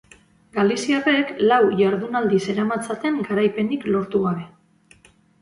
Galiziarrek lau jardunaldi zeramatzaten garaipenik lortu gabe.